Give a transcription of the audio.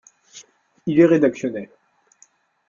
Il est rédactionnel.